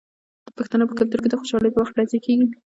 د پښتنو په کلتور کې د خوشحالۍ په وخت ډزې کیږي.